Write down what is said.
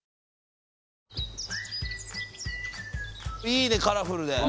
いいねカラフルで！